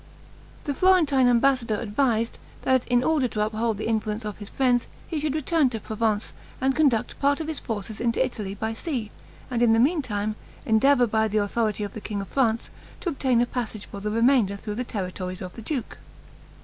The Florentine ambassador advised, that in order to uphold the influence of his friends, he should return to Provence, and conduct part of his forces into Italy by sea, and, in the meantime, endeavor, by the authority of the king of France, to obtain a passage for the remainder through the territories of the duke.